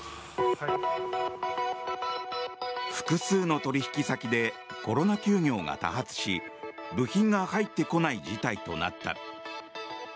複数の取引先でコロナ休業が多発し部品が入ってこない事態となった。